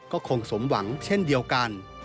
ก็คงสมหวังเช่นเดียวกัน